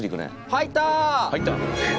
入った！